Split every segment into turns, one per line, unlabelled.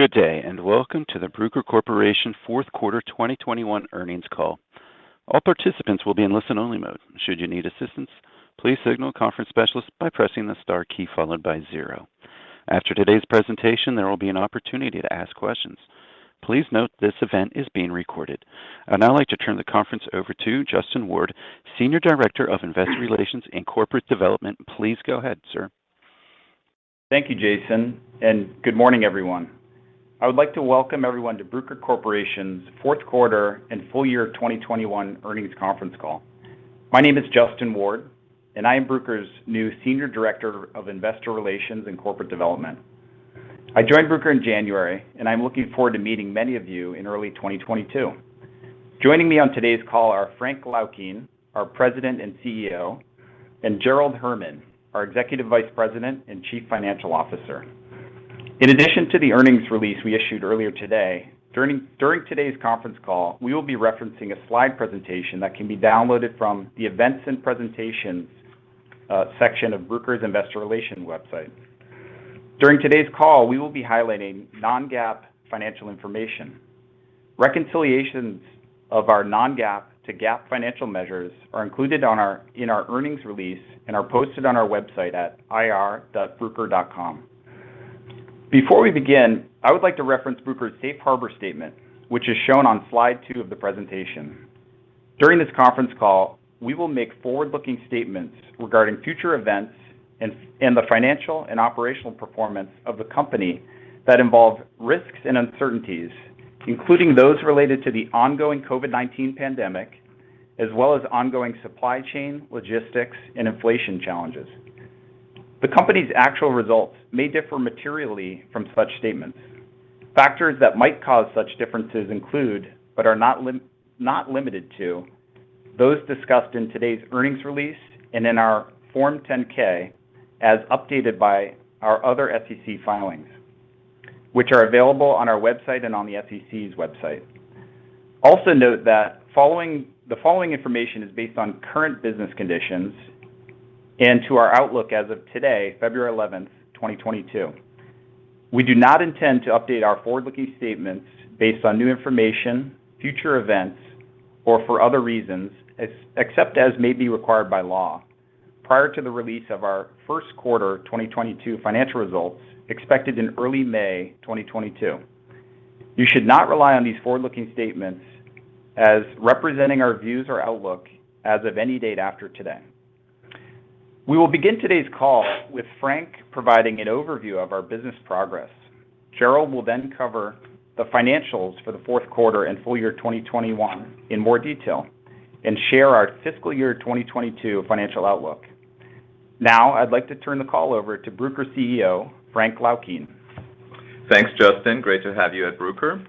Good day, and welcome to the Bruker Corporation fourth quarter 2021 earnings call. All participants will be in listen-only mode. Should you need assistance, please signal a conference specialist by pressing the star key followed by zero. After today's presentation, there will be an opportunity to ask questions. Please note this event is being recorded. I'd now like to turn the conference over to Justin Ward, Senior Director of Investor Relations and Corporate Development. Please go ahead, sir.
Thank you, Jason, and good morning, everyone. I would like to welcome everyone to Bruker Corporation's fourth quarter and full year 2021 earnings conference call. My name is Justin Ward, and I am Bruker's new Senior Director of Investor Relations and Corporate Development. I joined Bruker in January, and I'm looking forward to meeting many of you in early 2022. Joining me on today's call are Frank Laukien, our President and CEO, and Gerald Herman, our Executive Vice President and Chief Financial Officer. In addition to the earnings release we issued earlier today, during today's conference call, we will be referencing a slide presentation that can be downloaded from the Events and Presentations section of Bruker's Investor Relations website. During today's call, we will be highlighting non-GAAP financial information. Reconciliations of our non-GAAP to GAAP financial measures are included in our earnings release and are posted on our website at ir.bruker.com. Before we begin, I would like to reference Bruker's safe harbor statement, which is shown on slide two of the presentation. During this conference call, we will make forward-looking statements regarding future events and the financial and operational performance of the company that involve risks and uncertainties, including those related to the ongoing COVID-19 pandemic, as well as ongoing supply chain, logistics, and inflation challenges. The company's actual results may differ materially from such statements. Factors that might cause such differences include, but are not limited to, those discussed in today's earnings release and in our Form 10-K as updated by our other SEC filings, which are available on our website and on the SEC's website. Also note that the following information is based on current business conditions and our outlook as of today, February 11, 2022. We do not intend to update our forward-looking statements based on new information, future events, or for other reasons, except as may be required by law, prior to the release of our first quarter 2022 financial results expected in early May 2022. You should not rely on these forward-looking statements as representing our views or outlook as of any date after today. We will begin today's call with Frank providing an overview of our business progress. Gerald will then cover the financials for the fourth quarter and full year 2021 in more detail and share our fiscal year 2022 financial outlook. Now, I'd like to turn the call over to Bruker CEO, Frank Laukien.
Thanks, Justin. Great to have you at Bruker.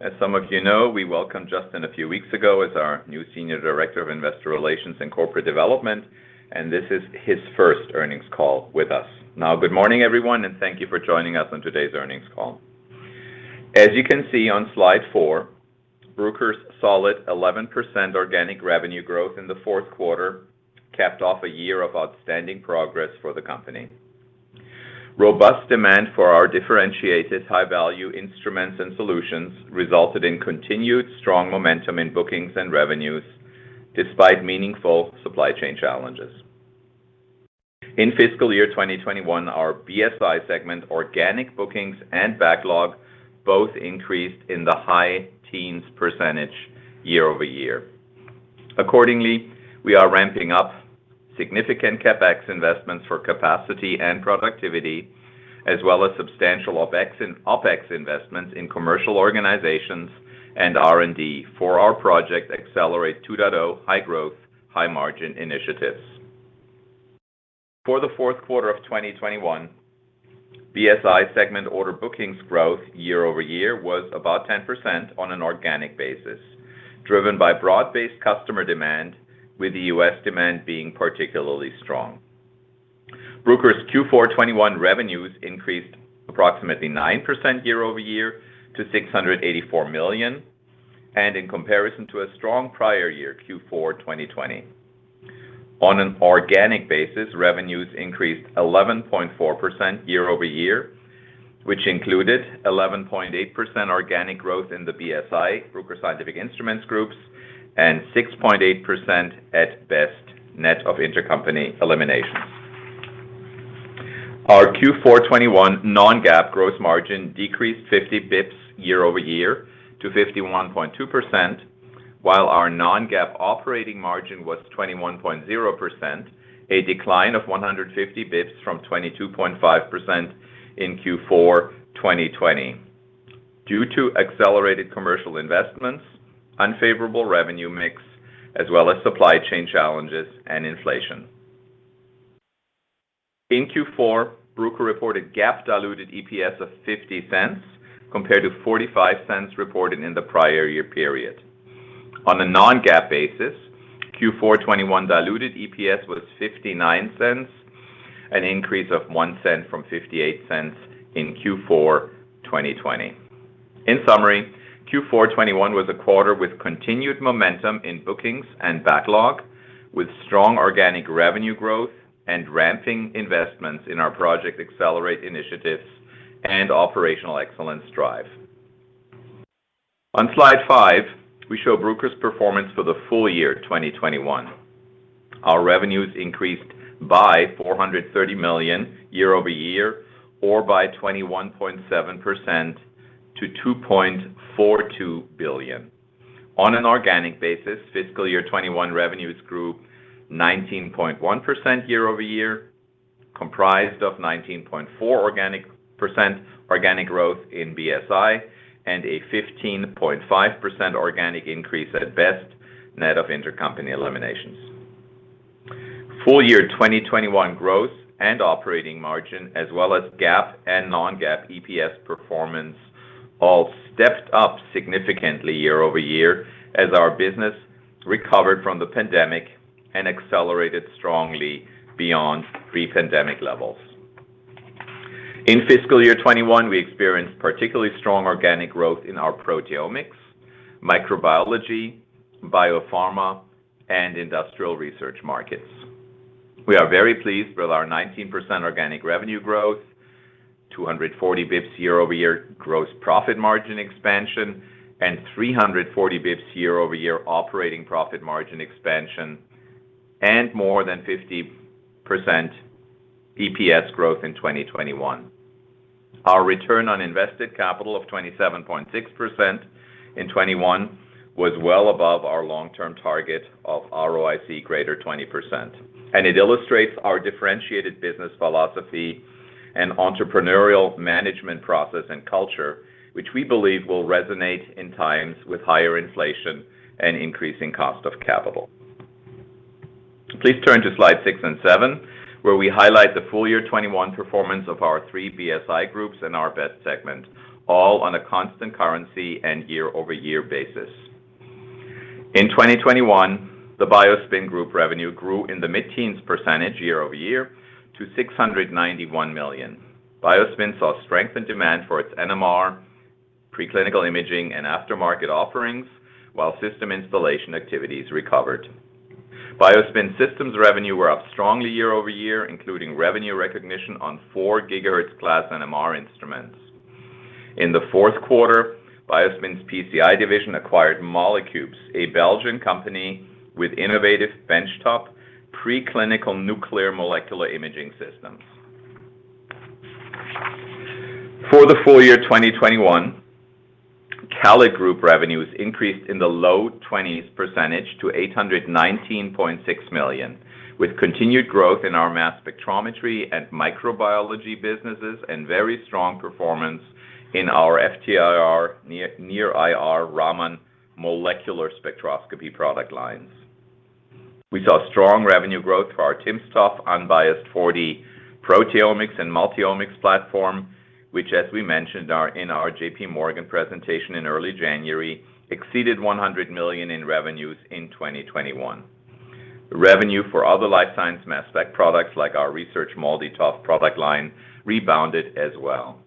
As some of you know, we welcomed Justin a few weeks ago as our new Senior Director of Investor Relations and Corporate Development, and this is his first earnings call with us. Now, good morning, everyone, and thank you for joining us on today's earnings call. As you can see on slide four, Bruker's solid 11% organic revenue growth in the fourth quarter capped off a year of outstanding progress for the company. Robust demand for our differentiated high-value instruments and solutions resulted in continued strong momentum in bookings and revenues despite meaningful supply chain challenges. In fiscal year 2021, our BSI segment organic bookings and backlog both increased in the high teens percentage year-over-year. Accordingly, we are ramping up significant CapEx investments for capacity and productivity as well as substantial OpEx investments in commercial organizations and R&D for our Project Accelerate 2.0 high growth, high margin initiatives. For the fourth quarter of 2021, BSI segment order bookings growth year-over-year was about 10% on an organic basis, driven by broad-based customer demand, with the U.S. demand being particularly strong. Bruker's Q4 2021 revenues increased approximately 9% year-over-year to $684 million and in comparison to a strong prior year, Q4 2020. On an organic basis, revenues increased 11.4% year-over-year, which included 11.8% organic growth in the BSI, Bruker Scientific Instruments groups, and 6.8% at BEST net of intercompany eliminations. Our Q4 2021 non-GAAP gross margin decreased 50 basis points year-over-year to 51.2%, while our non-GAAP operating margin was 21.0%, a decline of 150 basis points from 22.5% in Q4 2020 due to accelerated commercial investments, unfavorable revenue mix, as well as supply chain challenges and inflation. In Q4, Bruker reported GAAP diluted EPS of $0.50 compared to $0.45 reported in the prior year period. On a non-GAAP basis, Q4 2021 diluted EPS was $0.59, an increase of $0.01 from $0.58 in Q4 2020. In summary, Q4 2021 was a quarter with continued momentum in bookings and backlog, with strong organic revenue growth and ramping investments in our Project Accelerate initiatives and operational excellence drive. On slide five, we show Bruker's performance for the full year 2021. Our revenues increased by $430 million year-over-year, or by 21.7% to $2.42 billion. On an organic basis, FY 2021 revenues grew 19.1% year-over-year, comprised of 19.4% organic growth in BSI and a 15.5% organic increase at BEST, net of intercompany eliminations. Full-year 2021 growth and operating margin, as well as GAAP and non-GAAP EPS performance all stepped up significantly year-over-year as our business recovered from the pandemic and accelerated strongly beyond pre-pandemic levels. In FY 2021, we experienced particularly strong organic growth in our proteomics, microbiology, biopharma, and industrial research markets. We are very pleased with our 19% organic revenue growth, 240 bps year-over-year gross profit margin expansion, and 340 bps year-over-year operating profit margin expansion, and more than 50% EPS growth in 2021. Our return on invested capital of 27.6% in 2021 was well above our long-term target of ROIC greater 20%, and it illustrates our differentiated business philosophy and entrepreneurial management process and culture, which we believe will resonate in times with higher inflation and increasing cost of capital. Please turn to slide six and seven, where we highlight the full year 2021 performance of our three BSI groups and our BEST segment, all on a constant currency and year-over-year basis. In 2021, the BioSpin group revenue grew in the mid-teens percentage year-over-year to $691 million. BioSpin saw strengthened demand for its NMR, preclinical imaging, and aftermarket offerings, while system installation activities recovered. BioSpin systems revenue were up strongly year-over-year, including revenue recognition on four GHclass NMR instruments. In the fourth quarter, BioSpin's CALID division acquired MOLECUBES, a Belgian company with innovative benchtop preclinical nuclear molecular imaging systems. For the full year 2021, CALID group revenues increased in the low 20s% to $819.6 million, with continued growth in our mass spectrometry and microbiology businesses and very strong performance in our FTIR, NIR-IR, Raman molecular spectroscopy product lines. We saw strong revenue growth for our timsTOF unbiased 4D-proteomics and multi-omics platform, which, as we mentioned in our JPMorgan presentation in early January, exceeded $100 million in revenues in 2021. Revenue for other life science mass spec products like our research MALDI-TOF product line rebounded as well.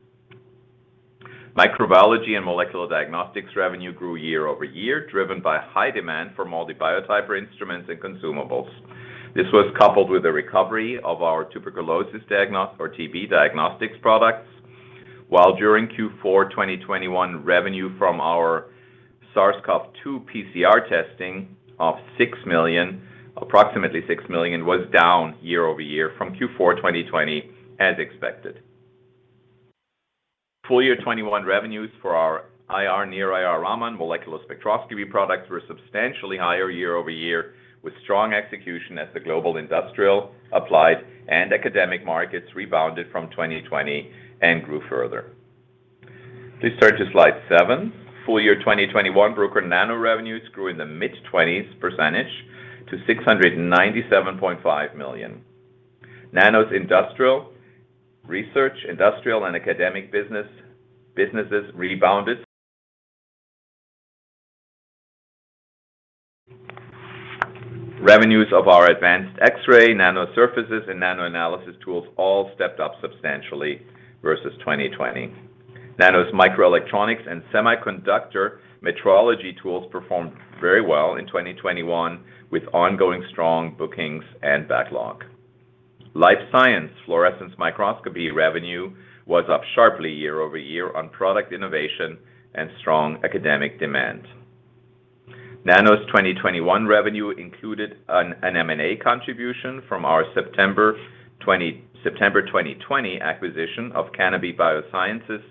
Microbiology and molecular diagnostics revenue grew year-over-year, driven by high demand for MALDI Biotyper instruments and consumables. This was coupled with the recovery of our tuberculosis or TB diagnostics products. While during Q4 2021, revenue from our SARS-CoV-2 PCR testing of approximately $6 million was down year-over-year from Q4 2020 as expected. Full year 2021 revenues for our IR, NIR-IR, Raman molecular spectroscopy products were substantially higher year-over-year, with strong execution as the global industrial, applied, and academic markets rebounded from 2020 and grew further. Please turn to slide seven. Full year 2021 Bruker Nano revenues grew mid-20s% to $697.5 million. Nano's industrial, research, and academic businesses rebounded. Revenues of our advanced X-ray, nano surfaces, and nanoanalysis tools all stepped up substantially versus 2020. Nano's microelectronics and semiconductor metrology tools performed very well in 2021, with ongoing strong bookings and backlog. Life science fluorescence microscopy revenue was up sharply year-over-year on product innovation and strong academic demand. Nano's 2021 revenue included an M&A contribution from our September 2020 acquisition of Canopy Biosciences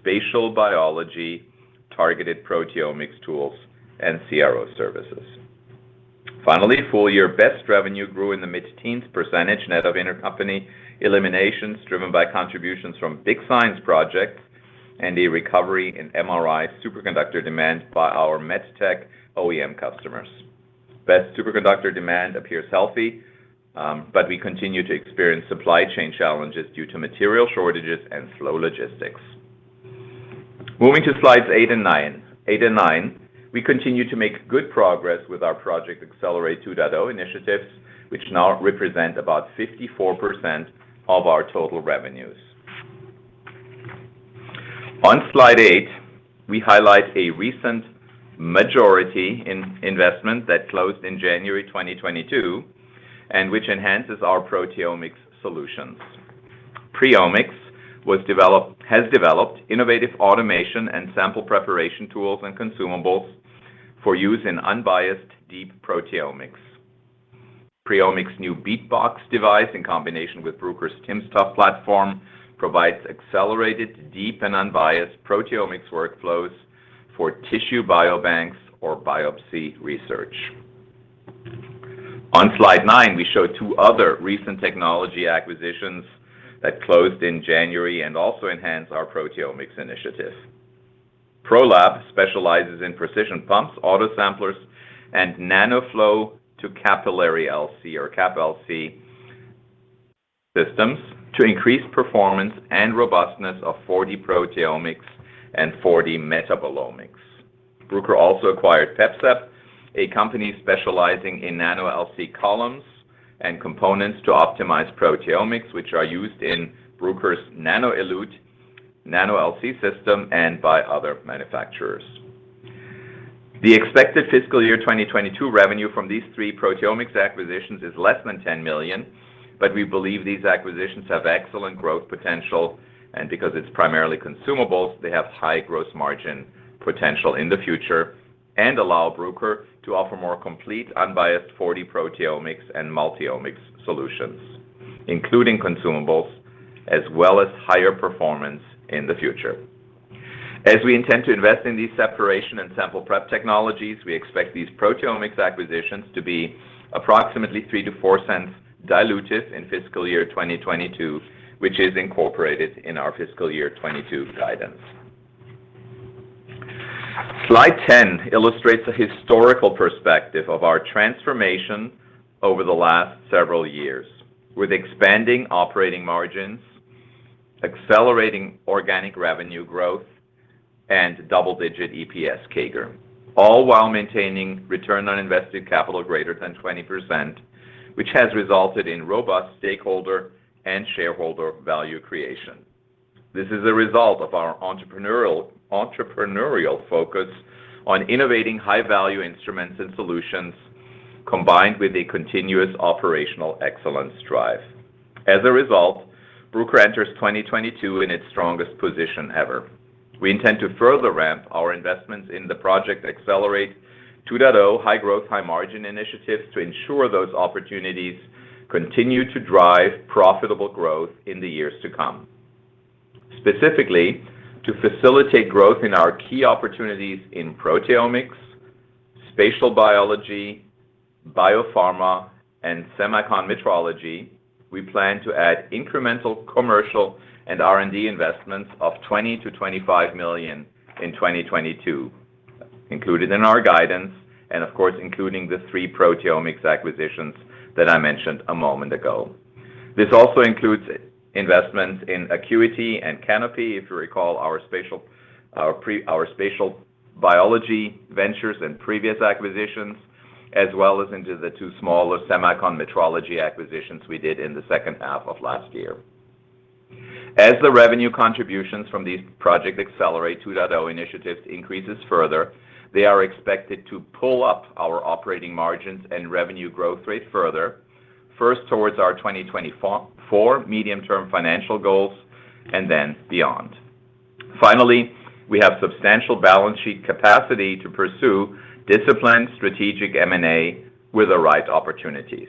spatial biology targeted proteomics tools and CRO services. Finally, full-year BEST revenue grew in the mid-teens percentage net of intercompany eliminations driven by contributions from big science projects and a recovery in MRI superconductor demand by our MedTech OEM customers. BEST superconductor demand appears healthy, but we continue to experience supply chain challenges due to material shortages and slow logistics. Moving to slides eight and nine. We continue to make good progress with our Project Accelerate 2.0 initiatives, which now represent about 54% of our total revenues. On slide eight, we highlight a recent majority investment that closed in January 2022, and which enhances our proteomics solutions. PreOmics has developed innovative automation and sample preparation tools and consumables for use in unbiased deep proteomics. PreOmics new BeatBox device in combination with Bruker's timsTOF platform provides accelerated, deep and unbiased proteomics workflows for tissue biobanks or biopsy research. On slide nine, we show two other recent technology acquisitions that closed in January and also enhance our proteomics initiative. ProLab specializes in precision pumps, auto samplers, and nanoflow to capillary LC or cap-LC systems to increase performance and robustness of 4D proteomics and 4D metabolomics. Bruker also acquired PepSep, a company specializing in Nano-LC columns and components to optimize proteomics, which are used in Bruker's nanoElute Nano-LC system and by other manufacturers. The expected fiscal year 2022 revenue from these three proteomics acquisitions is less than $10 million, but we believe these acquisitions have excellent growth potential, and because it's primarily consumables, they have high gross margin potential in the future and allow Bruker to offer more complete unbiased 4D proteomics and multi-omics solutions, including consumables as well as higher performance in the future. As we intend to invest in these separation and sample prep technologies, we expect these proteomics acquisitions to be approximately $0.03-$0.04 diluted in fiscal year 2022, which is incorporated in our fiscal year 2022 guidance. Slide 10 illustrates a historical perspective of our transformation over the last several years with expanding operating margins, accelerating organic revenue growth, and double-digit EPS CAGR, all while maintaining return on invested capital greater than 20%, which has resulted in robust stakeholder and shareholder value creation. This is a result of our entrepreneurial focus on innovating high-value instruments and solutions combined with a continuous operational excellence drive. As a result, Bruker enters 2022 in its strongest position ever. We intend to further ramp our investments in the Project Accelerate 2.0 high growth, high margin initiatives to ensure those opportunities continue to drive profitable growth in the years to come. Specifically, to facilitate growth in our key opportunities in proteomics, spatial biology, biopharma, and semicon metrology, we plan to add incremental commercial and R&D investments of $20 million-$25 million in 2022, included in our guidance and of course, including the three proteomics acquisitions that I mentioned a moment ago. This also includes investments in Acuity and Canopy. If you recall, our spatial biology ventures and previous acquisitions, as well as the two smaller semiconductor metrology acquisitions we did in the second half of last year. As the revenue contributions from these Project Accelerate 2.0 initiatives increase further, they are expected to pull up our operating margins and revenue growth rate further, first towards our 2024 medium-term financial goals and then beyond. Finally, we have substantial balance sheet capacity to pursue disciplined strategic M&A with the right opportunities.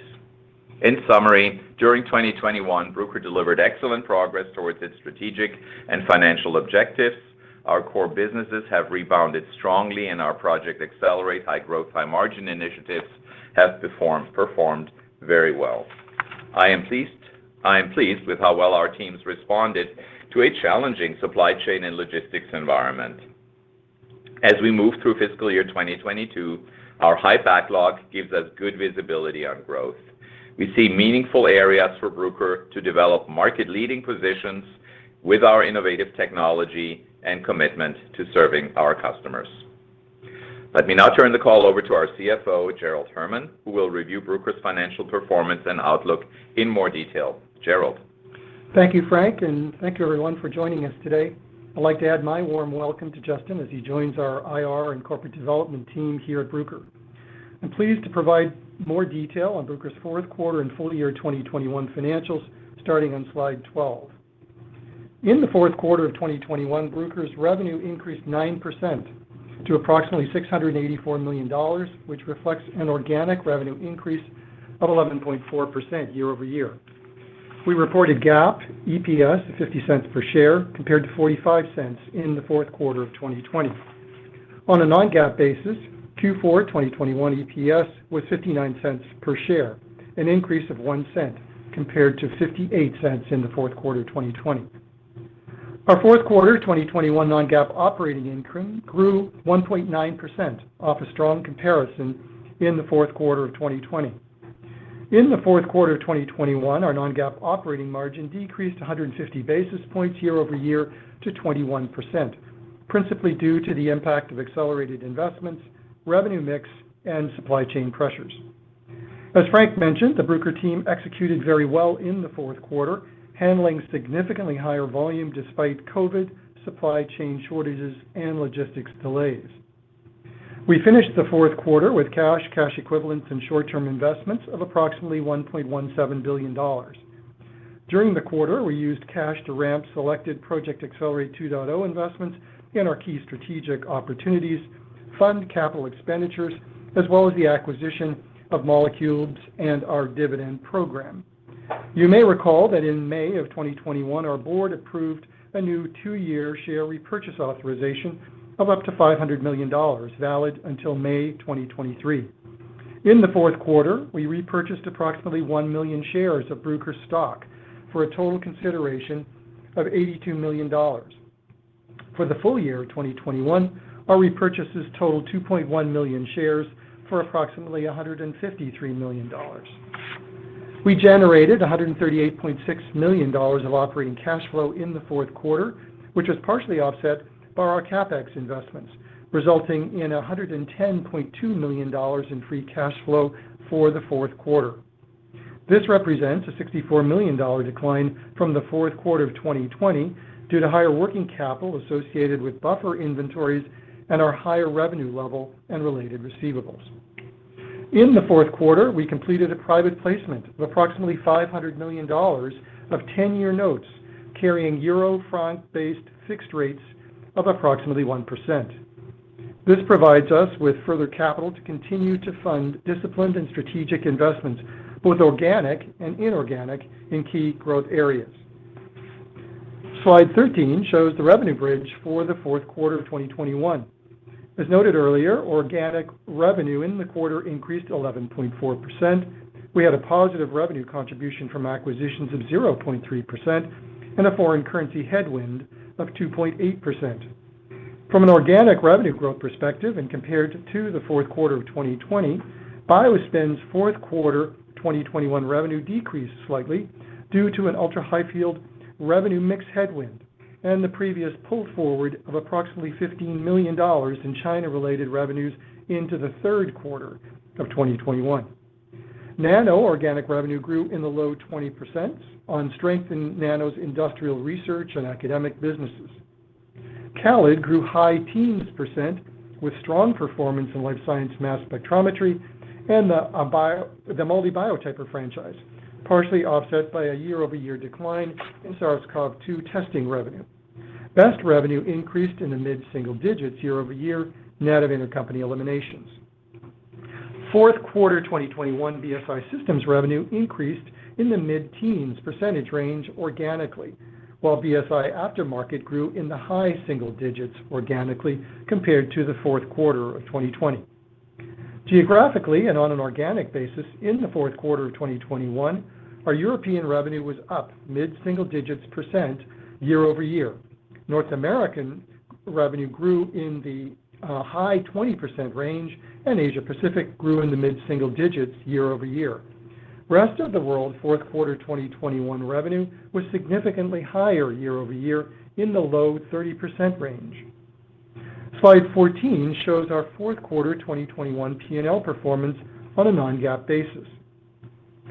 In summary, during 2021, Bruker delivered excellent progress towards its strategic and financial objectives. Our core businesses have rebounded strongly and our Project Accelerate high growth, high margin initiatives have performed very well. I am pleased with how well our teams responded to a challenging supply chain and logistics environment. As we move through fiscal year 2022, our high backlog gives us good visibility on growth. We see meaningful areas for Bruker to develop market-leading positions with our innovative technology and commitment to serving our customers. Let me now turn the call over to our CFO, Gerald Herman, who will review Bruker's financial performance and outlook in more detail. Gerald.
Thank you, Frank, and thank you everyone for joining us today. I'd like to add my warm welcome to Justin as he joins our IR and corporate development team here at Bruker. I'm pleased to provide more detail on Bruker's fourth quarter and full year 2021 financials starting on slide 12. In the fourth quarter of 2021, Bruker's revenue increased 9% to approximately $684 million, which reflects an organic revenue increase of 11.4% year-over-year. We reported GAAP EPS $0.50 per share, compared to $0.45 in the fourth quarter of 2020. On a non-GAAP basis, Q4 2021 EPS was $0.59 per share, an increase of $0.01 compared to $0.58 in the fourth quarter of 2020. Our fourth quarter 2021 non-GAAP operating income grew 1.9% off a strong comparison in the fourth quarter of 2020. In the fourth quarter of 2021, our non-GAAP operating margin decreased 150 basis points year-over-year to 21%. Principally due to the impact of accelerated investments, revenue mix, and supply chain pressures. As Frank mentioned, the Bruker team executed very well in the fourth quarter, handling significantly higher volume despite COVID, supply chain shortages, and logistics delays. We finished the fourth quarter with cash equivalents, and short-term investments of approximately $1.17 billion. During the quarter, we used cash to ramp selected Project Accelerate 2.0 investments in our key strategic opportunities, fund capital expenditures, as well as the acquisition of MOLECUBES and our dividend program. You may recall that in May of 2021, our board approved a new two-year share repurchase authorization of up to $500 million, valid until May 2023. In the fourth quarter, we repurchased approximately 1 million shares of Bruker stock for a total consideration of $82 million. For the full year of 2021, our repurchases totaled 2.1 million shares for approximately $153 million. We generated $138.6 million of operating cash flow in the fourth quarter, which was partially offset by our CapEx investments, resulting in $110.2 million in free cash flow for the fourth quarter. This represents a $64 million decline from the fourth quarter of 2020 due to higher working capital associated with buffer inventories and our higher revenue level and related receivables. In the fourth quarter, we completed a private placement of approximately $500 million of 10 year notes carrying euro franc-based fixed rates of approximately 1%. This provides us with further capital to continue to fund disciplined and strategic investments, both organic and inorganic, in key growth areas. Slide 13 shows the revenue bridge for the fourth quarter of 2021. As noted earlier, organic revenue in the quarter increased 11.4%. We had a positive revenue contribution from acquisitions of 0.3% and a foreign currency headwind of 2.8%. From an organic revenue growth perspective and compared to the fourth quarter of 2020, BioSpin's fourth quarter 2021 revenue decreased slightly due to an ultra-high-field revenue mix headwind and the previous pull forward of approximately $15 million in China-related revenues into the third quarter of 2021. Nano organic revenue grew in the low 20% on strength in Nano's industrial research and academic businesses. CALID grew high teens percent with strong performance in life science mass spectrometry and the MALDI Biotyper franchise, partially offset by a year-over-year decline in SARS-CoV-2 testing revenue. BEST revenue increased in the mid-single digits year-over-year net of intercompany eliminations. Fourth quarter 2021 BSI Systems revenue increased in the mid-teens percentage range organically, while BSI Aftermarket grew in the high single digits organically compared to the fourth quarter of 2020. Geographically and on an organic basis in the fourth quarter of 2021, our European revenue was up mid-single digits year-over-year. North American revenue grew in the high 20% range, and Asia-Pacific grew in the mid-single digits year-over-year. Rest of the world fourth quarter 2021 revenue was significantly higher year-over-year in the low 30% range. Slide 14 shows our fourth quarter 2021 P&L performance on a non-GAAP basis.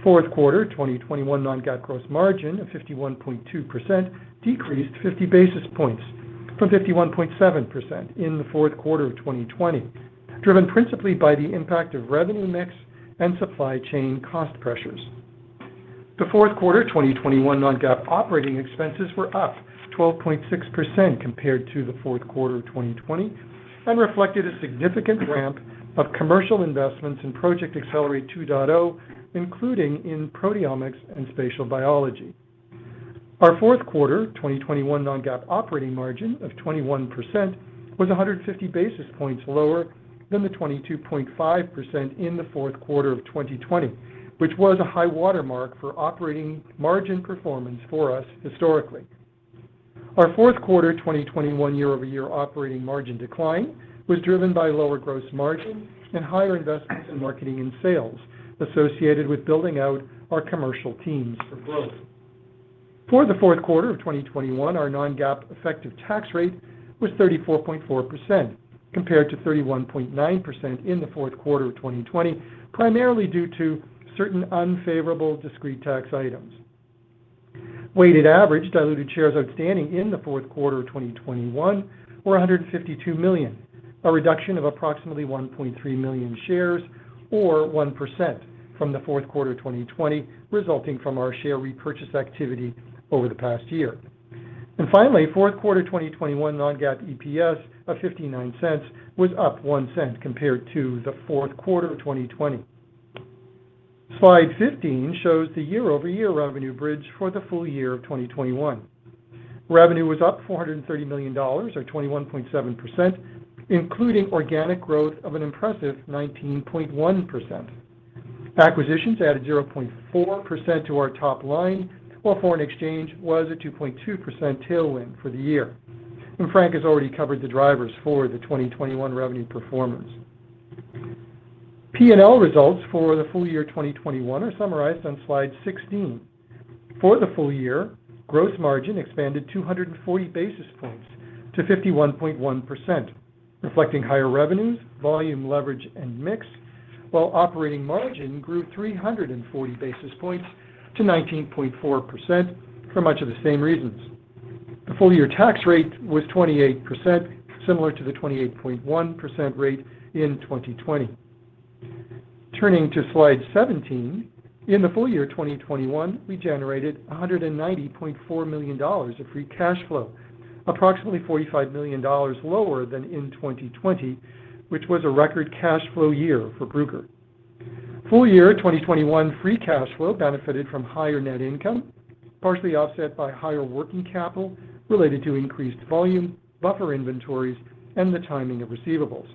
Fourth quarter 2021 non-GAAP gross margin of 51.2% decreased 50 basis points from 51.7% in the fourth quarter of 2020, driven principally by the impact of revenue mix and supply chain cost pressures. The fourth quarter 2021 non-GAAP operating expenses were up 12.6% compared to the fourth quarter of 2020 and reflected a significant ramp of commercial investments in Project Accelerate 2.0, including in proteomics and spatial biology. Our fourth quarter 2021 non-GAAP operating margin of 21% was 150 basis points lower than the 22.5% in the fourth quarter of 2020, which was a high water mark for operating margin performance for us historically. Our fourth quarter 2021 year-over-year operating margin decline was driven by lower gross margin and higher investments in marketing and sales associated with building out our commercial teams for growth. For the fourth quarter of 2021, our non-GAAP effective tax rate was 34.4% compared to 31.9% in the fourth quarter of 2020, primarily due to certain unfavorable discrete tax items. Weighted average diluted shares outstanding in the fourth quarter of 2021 were 152 million, a reduction of approximately 1.3 million shares or 1% from the fourth quarter of 2020, resulting from our share repurchase activity over the past year. Finally, fourth quarter 2021 non-GAAP EPS of $0.59 was up $0.01 compared to the fourth quarter of 2020. Slide 15 shows the year-over-year revenue bridge for the full year of 2021. Revenue was up $430 million or 21.7%, including organic growth of an impressive 19.1%. Acquisitions added 0.4% to our top line, while foreign exchange was a 2.2% tailwind for the year. Frank has already covered the drivers for the 2021 revenue performance. P&L results for the full year 2021 are summarized on slide 16. For the full year, gross margin expanded 240 basis points to 51.1% reflecting higher revenues, volume leverage and mix while operating margin grew 340 basis points to 19.4% for much of the same reasons. The full year tax rate was 28%, similar to the 28.1% rate in 2020. Turning to slide 17, in the full year 2021, we generated $190.4 million of free cash flow, approximately $45 million lower than in 2020, which was a record cash flow year for Bruker. Full year 2021 free cash flow benefited from higher net income, partially offset by higher working capital related to increased volume, buffer inventories, and the timing of receivables.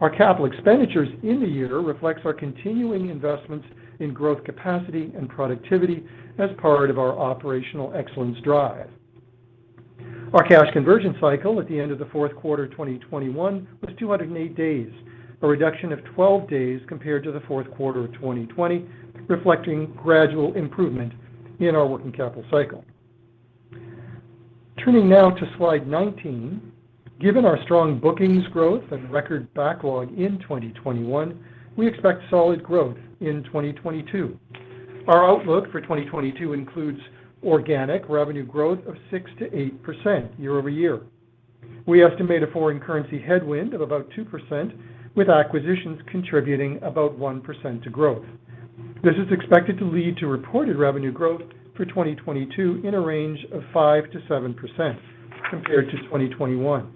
Our capital expenditures in the year reflects our continuing investments in growth capacity and productivity as part of our operational excellence drive. Our cash conversion cycle at the end of the fourth quarter 2021 was 208 days, a reduction of 12 days compared to the fourth quarter of 2020, reflecting gradual improvement in our working capital cycle. Turning now to slide 19, given our strong bookings growth and record backlog in 2021, we expect solid growth in 2022. Our outlook for 2022 includes organic revenue growth of 6%-8% year-over-year. We estimate a foreign currency headwind of about 2% with acquisitions contributing about 1% to growth. This is expected to lead to reported revenue growth for 2022 in a range of 5%-7% compared to 2021.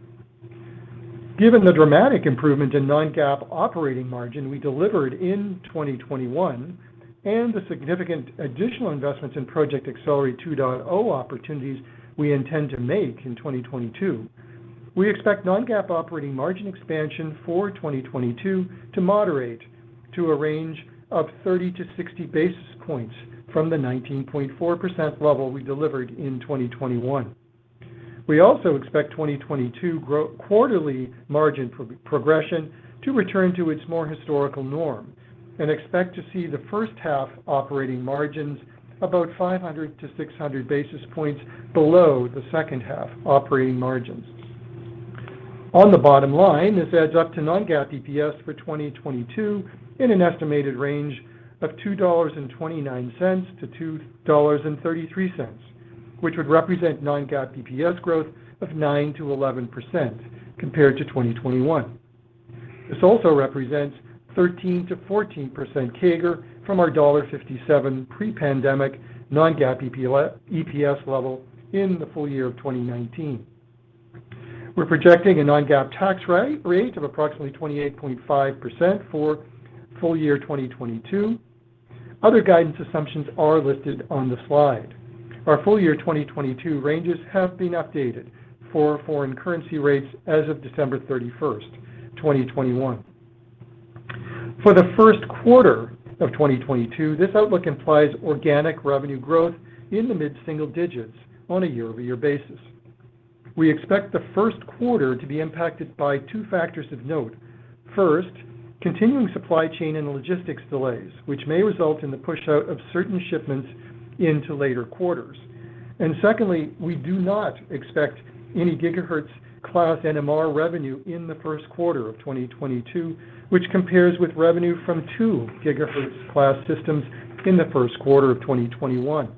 Given the dramatic improvement in non-GAAP operating margin we delivered in 2021 and the significant additional investments in Project Accelerate 2.0 opportunities we intend to make in 2022, we expect non-GAAP operating margin expansion for 2022 to moderate to a range of 30-60 basis points from the 19.4% level we delivered in 2021. We also expect 2022 quarterly margin progression to return to its more historical norm and expect to see the first half operating margins about 500-600 basis points below the second half operating margins. On the bottom line, this adds up to non-GAAP EPS for 2022 in an estimated range of $2.29-$2.33, which would represent non-GAAP EPS growth of 9%-11% compared to 2021. This also represents 13%-14% CAGR from our $57 pre-pandemic non-GAAP EPS level in the full year of 2019. We're projecting a non-GAAP tax rate of approximately 28.5% for full year 2022. Other guidance assumptions are listed on the slide. Our full year 2022 ranges have been updated for foreign currency rates as of December 31, 2021. For the first quarter of 2022, this outlook implies organic revenue growth in the mid-single digits on a year-over-year basis. We expect the first quarter to be impacted by two factors of note. First, continuing supply chain and logistics delays, which may result in the push out of certain shipments into later quarters. Secondly, we do not expect any gigahertz class NMR revenue in the first quarter of 2022, which compares with revenue from two gigahertz class systems in the first quarter of 2021.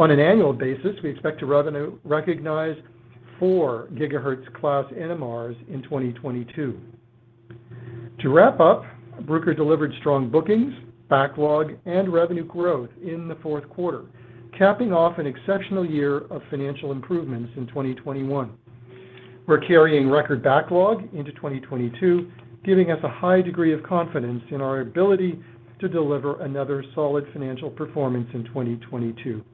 On an annual basis, we expect to revenue recognize four gigahertz class NMRs in 2022. To wrap up, Bruker delivered strong bookings, backlog, and revenue growth in the fourth quarter, capping off an exceptional year of financial improvements in 2021. We're carrying record backlog into 2022, giving us a high degree of confidence in our ability to deliver another solid financial performance in 2022.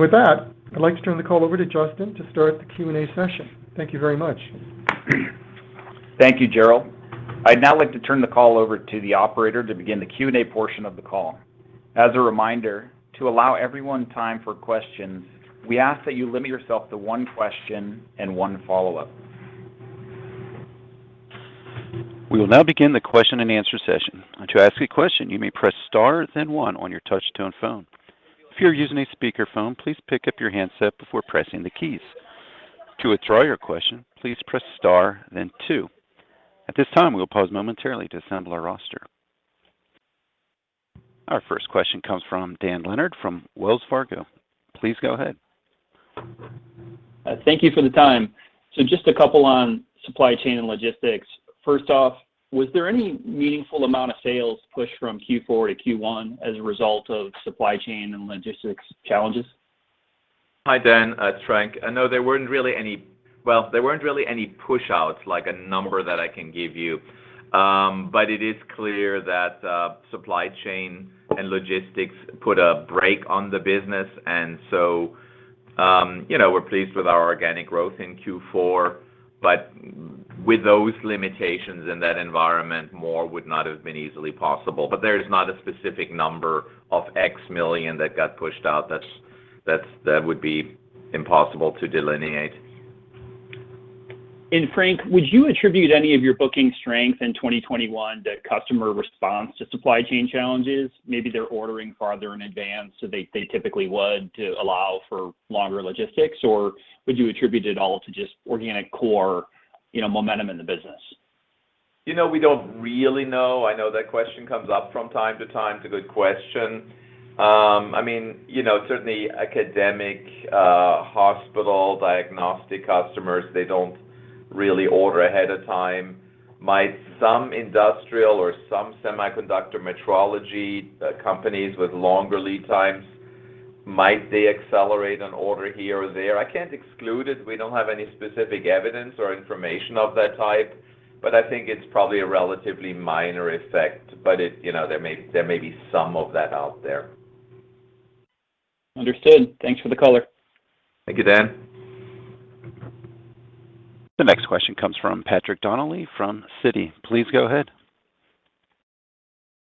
With that, I'd like to turn the call over to Justin to start the Q&A session. Thank you very much.
Thank you, Gerald. I'd now like to turn the call over to the operator to begin the Q&A portion of the call. As a reminder, to allow everyone time for questions, we ask that you limit yourself to one question and one follow-up.
We will now begin the question and answer session. To ask a question, you may press star then one on your touch-tone phone. If you are using a speakerphone, please pick up your handset before pressing the keys. To withdraw your question, please press star then two. At this time, we will pause momentarily to assemble our roster. Our first question comes from Dan Leonard from Wells Fargo. Please go ahead.
Thank you for the time. Just a couple on supply chain and logistics. First off, was there any meaningful amount of sales pushed from Q4 to Q1 as a result of supply chain and logistics challenges?
Hi, Dan. It's Frank. Well, there weren't really any pushouts, like a number that I can give you. It is clear that supply chain and logistics put a brake on the business. You know, we're pleased with our organic growth in Q4, but with those limitations in that environment, more would not have been easily possible. There is not a specific number of X million that got pushed out. That would be impossible to delineate.
Frank, would you attribute any of your booking strength in 2021 to customer response to supply chain challenges? Maybe they're ordering farther in advance than they typically would to allow for longer logistics, or would you attribute it all to just organic core, you know, momentum in the business?
You know, we don't really know. I know that question comes up from time to time. It's a good question. I mean, you know, certainly academic, hospital diagnostic customers, they don't really order ahead of time. Might some industrial or some semiconductor metrology companies with longer lead times, might they accelerate an order here or there? I can't exclude it. We don't have any specific evidence or information of that type, but I think it's probably a relatively minor effect. It, you know, there may be some of that out there.
Understood. Thanks for the color.
Thank you, Dan.
The next question comes from Patrick Donnelly from Citi. Please go ahead.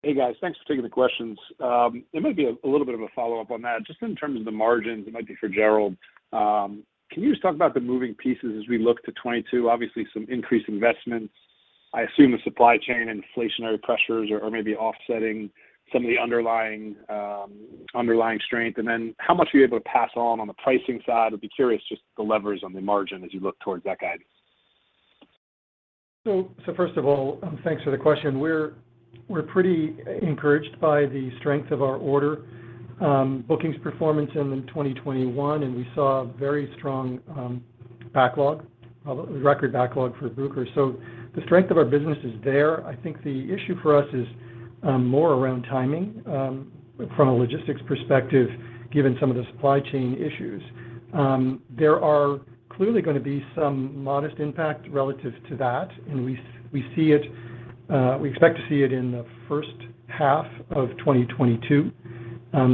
Hey guys, thanks for taking the questions. It might be a little bit of a follow-up on that. Just in terms of the margins, it might be for Gerald. Can you just talk about the moving pieces as we look to 2022? Obviously, some increased investments. I assume the supply chain and inflationary pressures are maybe offsetting some of the underlying strength. How much are you able to pass on the pricing side? I'd be curious just the levers on the margin as you look towards that guide.
First of all, thanks for the question. We're pretty encouraged by the strength of our order bookings performance in 2021, and we saw a very strong record backlog for Bruker. The strength of our business is there. I think the issue for us is more around timing from a logistics perspective, given some of the supply chain issues. There are clearly gonna be some modest impact relative to that, and we see it, we expect to see it in the first half of 2022.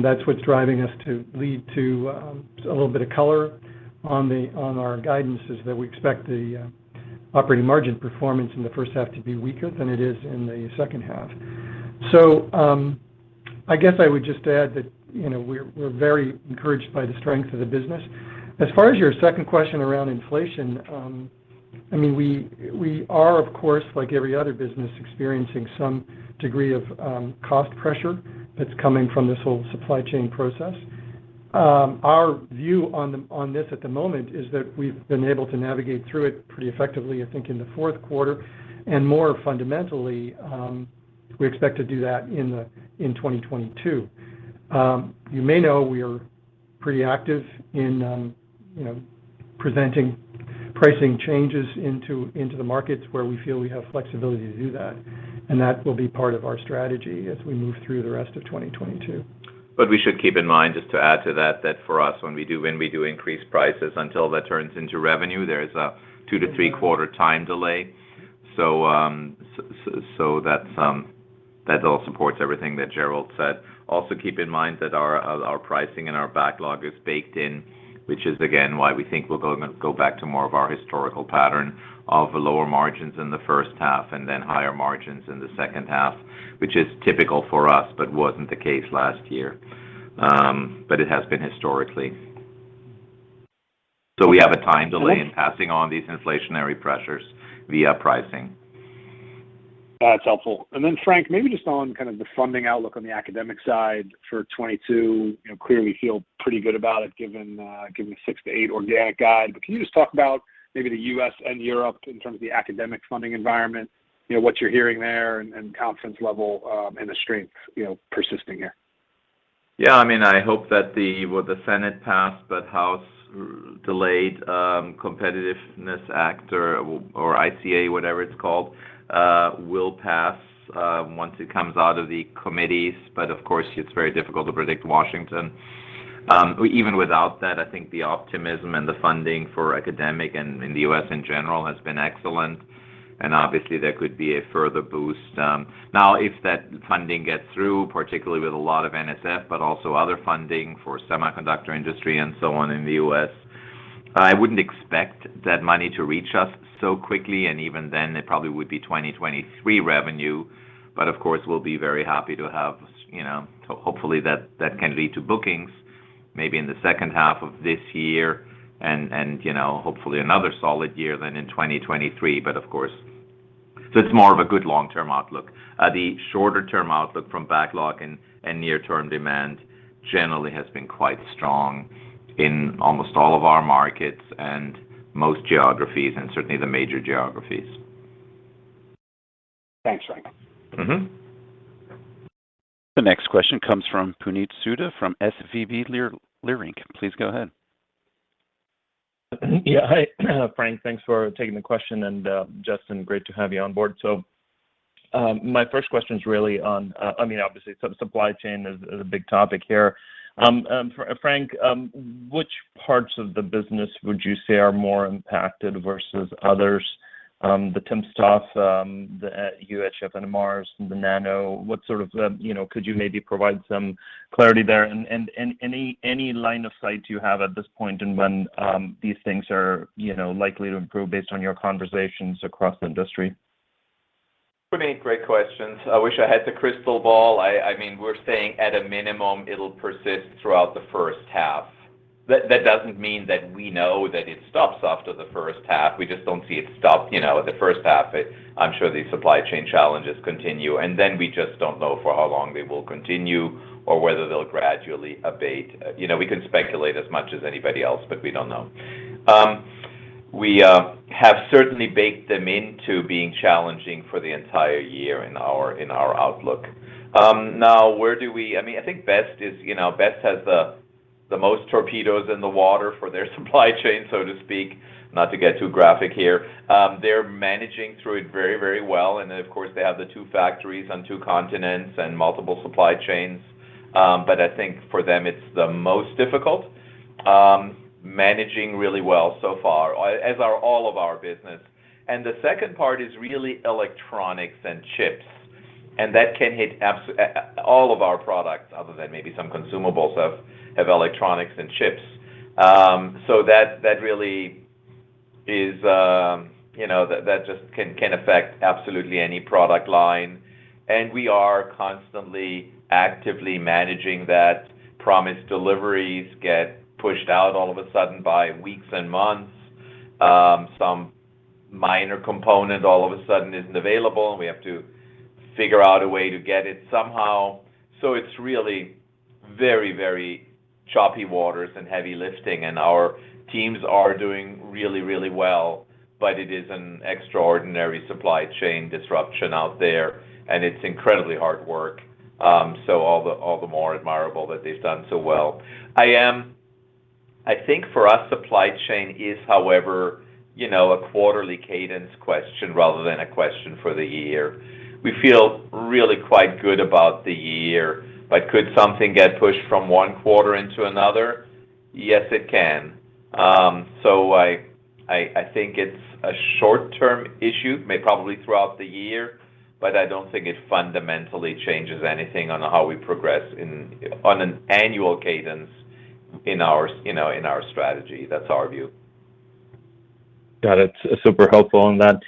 That's what's driving us to lend a little bit of color on our guidance is that we expect the operating margin performance in the first half to be weaker than it is in the second half. I guess I would just add that, you know, we're very encouraged by the strength of the business. As far as your second question around inflation, I mean, we are of course, like every other business, experiencing some degree of cost pressure that's coming from this whole supply chain process. Our view on this at the moment is that we've been able to navigate through it pretty effectively, I think, in the fourth quarter, and more fundamentally, we expect to do that in 2022. You may know we are pretty active in, you know, presenting pricing changes into the markets where we feel we have flexibility to do that, and that will be part of our strategy as we move through the rest of 2022.
We should keep in mind, just to add to that for us, when we do increase prices, until that turns into revenue, there is a two to three quarter time delay. So that all supports everything that Gerald said. Also keep in mind that our pricing and our backlog is baked in, which is again, why we think we'll go back to more of our historical pattern of lower margins in the first half and then higher margins in the second half, which is typical for us, but wasn't the case last year. It has been historically. We have a time delay in passing on these inflationary pressures via pricing.
That's helpful. Then Frank, maybe just on kind of the funding outlook on the academic side for 2022. You know, clearly feel pretty good about it given the 6%-8% organic guide. Can you just talk about maybe the U.S. and Europe in terms of the academic funding environment, you know, what you're hearing there and confidence level and the strength, you know, persisting here?
I mean, I hope that what the Senate passed, but House delayed, United States Innovation and Competition Act, whatever it's called, will pass once it comes out of the committees. Of course, it's very difficult to predict Washington. Even without that, I think the optimism and the funding for academic and in the U.S. in general has been excellent, and obviously there could be a further boost. Now if that funding gets through, particularly with a lot of NSF, but also other funding for semiconductor industry and so on in the U.S., I wouldn't expect that money to reach us so quickly, and even then it probably would be 2023 revenue. Of course, we'll be very happy to have, you know, hopefully that can lead to bookings maybe in the second half of this year, you know, hopefully another solid year than in 2023. It's more of a good long-term outlook. The shorter-term outlook from backlog and near-term demand generally has been quite strong in almost all of our markets and most geographies, and certainly the major geographies.
Thanks, Frank.
Mm-hmm.
The next question comes from Puneet Souda from SVB Leerink. Please go ahead.
Yeah. Hi, Frank, thanks for taking the question, and Justin, great to have you on board. My first question is really on, I mean, obviously supply chain is a big topic here. Frank, which parts of the business would you say are more impacted versus others? The timsTOF, the UHF NMRs, the Nano, what sort of, you know, could you maybe provide some clarity there? And any line of sight you have at this point in when these things are, you know, likely to improve based on your conversations across the industry?
Many great questions. I wish I had the crystal ball. I mean, we're saying at a minimum, it'll persist throughout the first half. That doesn't mean that we know that it stops after the first half. We just don't see it stop, you know, at the first half. I'm sure these supply chain challenges continue, and then we just don't know for how long they will continue or whether they'll gradually abate. You know, we can speculate as much as anybody else, but we don't know. We have certainly baked them into being challenging for the entire year in our outlook. I mean, I think BEST is, you know, BEST has the most torpedoes in the water for their supply chain, so to speak. Not to get too graphic here. They're managing through it very, very well, and then, of course, they have the two factories on two continents and multiple supply chains. I think for them it's the most difficult, managing really well so far, as are all of our business. The second part is really electronics and chips, and that can hit all of our products other than maybe some consumables have electronics and chips. That really is, you know, that just can affect absolutely any product line. We are constantly, actively managing that. Promised deliveries get pushed out all of a sudden by weeks and months. Some minor component all of a sudden isn't available, and we have to figure out a way to get it somehow. It's really very, very choppy waters and heavy lifting, and our teams are doing really, really well. It is an extraordinary supply chain disruption out there, and it's incredibly hard work. All the more admirable that they've done so well. I think for us, supply chain is, however, you know, a quarterly cadence question rather than a question for the year. We feel really quite good about the year, but could something get pushed from one quarter into another? Yes, it can. I think it's a short-term issue, maybe probably throughout the year, but I don't think it fundamentally changes anything on how we progress in, on an annual cadence in our, you know, in our strategy. That's our view.
Got it. Super helpful on that.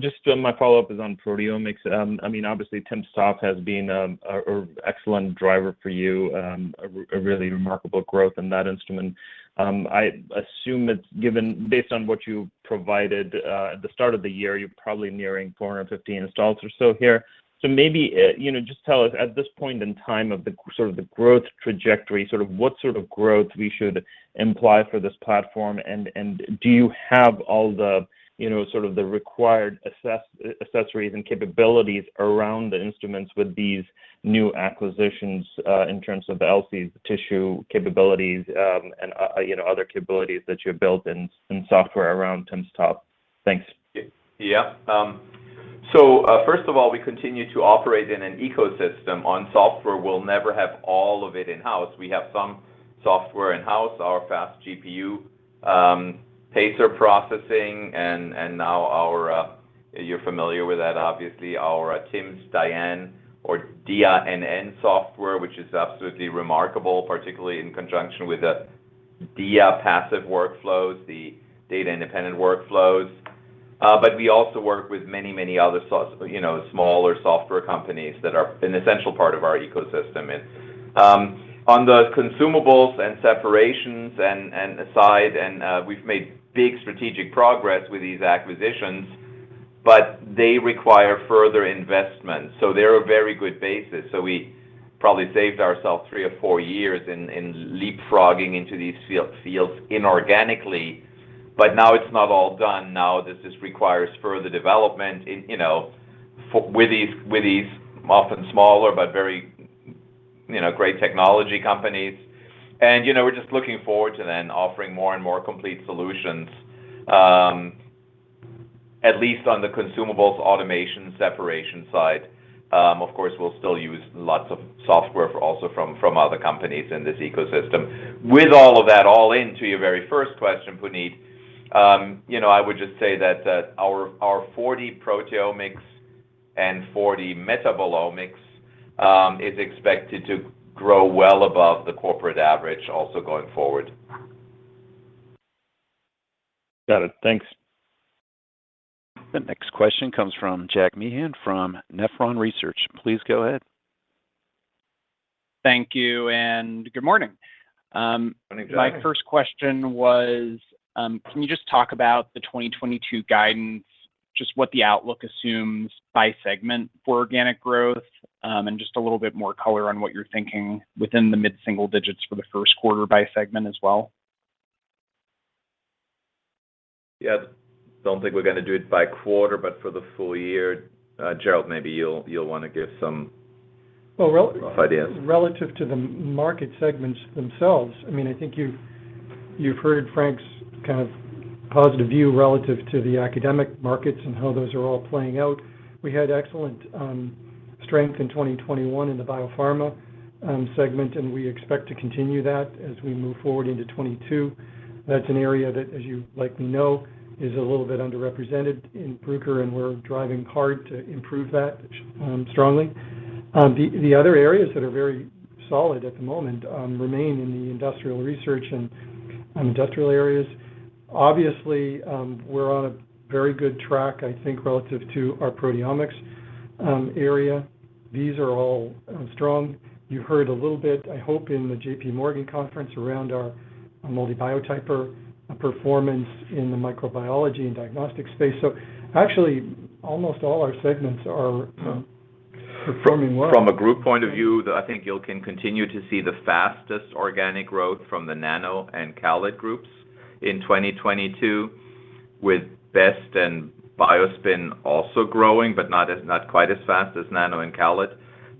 Just my follow-up is on proteomics. I mean, obviously timsTOF has been an excellent driver for you, a really remarkable growth in that instrument. I assume based on what you provided at the start of the year, you're probably nearing 450 installs or so here. Maybe you know, just tell us at this point in time of the sort of the growth trajectory, sort of what sort of growth we should imply for this platform. Do you have all the you know, sort of the required accessories and capabilities around the instruments with these new acquisitions in terms of the LC tissue capabilities, and other capabilities that you built in software around timsTOF? Thanks.
First of all, we continue to operate in an ecosystem. On software, we'll never have all of it in-house. We have some software in-house, our fast GPU PaSER processing, and now our tims DIA-NN software, which is absolutely remarkable, particularly in conjunction with the dia-PASEF workflows, the data independent workflows. You're familiar with that, obviously. But we also work with many, many other smaller software companies that are an essential part of our ecosystem. On the consumables and separations and assays, we've made big strategic progress with these acquisitions, but they require further investment, so they're a very good basis. We probably saved ourselves three or four years in leapfrogging into these fields inorganically. Now it's not all done. Now this just requires further development in you know with these often smaller but very you know great technology companies. You know, we're just looking forward to then offering more and more complete solutions at least on the consumables, automation, separation side. Of course, we'll still use lots of software also from other companies in this ecosystem. With all of that all in, to your very first question, Puneet, you know, I would just say that our 4D proteomics and 4D metabolomics is expected to grow well above the corporate average also going forward.
Got it. Thanks.
The next question comes from Jack Meehan from Nephron Research. Please go ahead.
Thank you and good morning.
Good morning, Jack.
My first question was, can you just talk about the 2022 guidance, just what the outlook assumes by segment for organic growth, and just a little bit more color on what you're thinking within the mid-single digits for the first quarter by segment as well?
Yeah. I don't think we're going to do it by quarter, but for the full year. Gerald, maybe you'll want to give some-
Well.
-ideas...
relative to the market segments themselves, I mean, I think you've heard Frank's kind of positive view relative to the academic markets and how those are all playing out. We had excellent strength in 2021 in the biopharma segment, and we expect to continue that as we move forward into 2022. That's an area that, as you likely know, is a little bit underrepresented in Bruker, and we're driving hard to improve that strongly. The other areas that are very solid at the moment remain in the industrial research and industrial areas. Obviously, we're on a very good track, I think, relative to our proteomics area. These are all strong. You heard a little bit, I hope, in the JP Morgan conference around our MALDI Biotyper performance in the microbiology and diagnostic space. Actually, almost all our segments are performing well.
From a group point of view, I think you can continue to see the fastest organic growth from the Nano and CALID groups in 2022, with BEST and BioSpin also growing, but not quite as fast as Nano and CALID.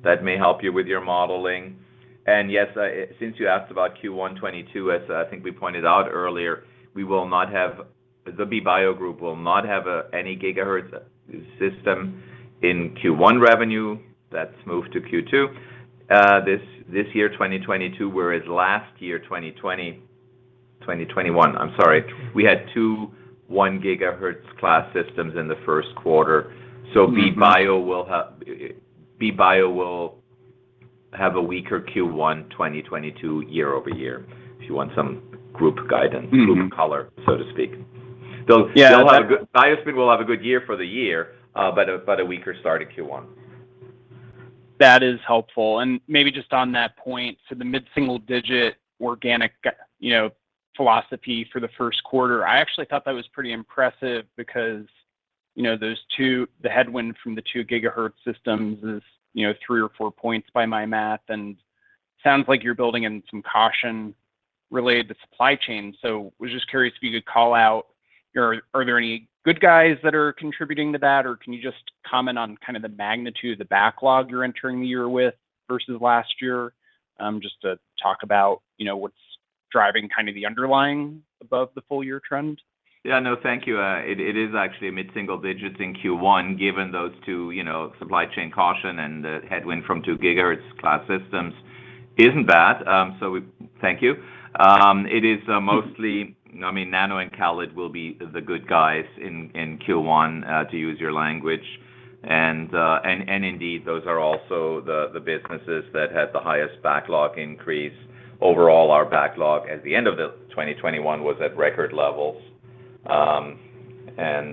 That may help you with your modeling. Yes, since you asked about Q1 2022, as I think we pointed out earlier, the BioSpin Group will not have any gigahertz system in Q1 revenue. That's moved to Q2. This year, 2022, whereas last year, 2021, I'm sorry, we had two 1-gigahertz class systems in the first quarter. So BioSpin will have a weaker Q1 2022 year-over-year, if you want some group guidance, group color, so to speak.
Mm-hmm. Yeah.
They'll have a good—BioSpin will have a good year for the year, but a weaker start to Q1.
That is helpful. Maybe just on that point, the mid-single digit organic philosophy for the first quarter, I actually thought that was pretty impressive because, you know, those two—the headwind from the two gigahertz systems is, you know, three or four points by my math. Sounds like you're building in some caution related to supply chain. I was just curious if you could call out, are there any good guys that are contributing to that? Or can you just comment on kind of the magnitude of the backlog you're entering the year with versus last year? Just to talk about, you know, what's driving kind of the underlying above the full year trend.
Yeah. No, thank you. It is actually mid-single digits in Q1, given those two, you know, supply chain caution and the headwind from two GHz class systems. Isn't bad, so thank you. It is mostly, I mean, Nano and CALID will be the good guys in Q1, to use your language. Indeed, those are also the businesses that had the highest backlog increase. Overall, our backlog at the end of 2021 was at record levels, and